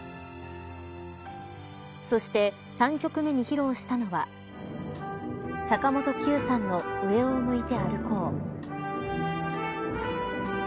そして、３曲目に披露したのは坂本九さんの上を向いて歩こう。